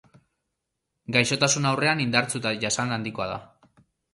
Gaixotasun aurrean indartsu eta jasan handikoa da.